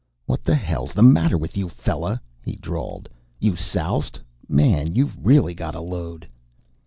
"What the hell's the matter with you, fella?" he drawled. "You soused? Man, you've really got a load."